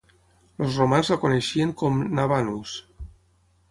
Els romans la coneixien com "Nabanus".